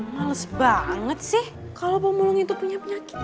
males banget sih kalau pemulung itu punya penyakit